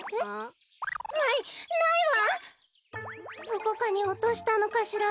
どこかにおとしたのかしら？